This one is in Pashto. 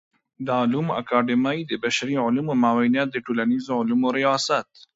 د علومو اکاډمۍ د بشري علومو معاونيت د ټولنيزو علومو ریاست